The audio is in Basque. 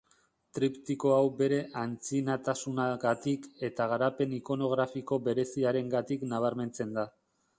Triptiko hau bere antzinatasunagatik eta garapen ikonografiko bereziarengatik nabarmentzen da.